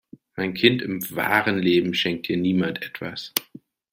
Mein Kind, im wahren Leben schenkt dir niemand etwas.